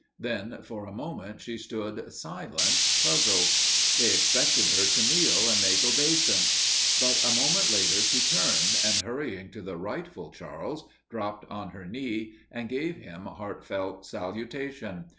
Then for a moment she stood silent, puzzled. They expected her to kneel and make obeisance; but a moment later she turned, and, hurrying to the rightful Charles, dropped on her knee and gave him heartfelt salutation.